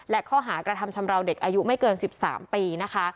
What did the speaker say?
และข้อหากระทำชำราวเด็กอายุไม่เกิน๑๓ปีนะคะ